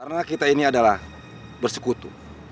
karena kita ini adalah bersekutu